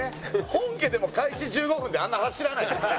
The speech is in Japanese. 本家でも開始１５分であんな走らないですよ。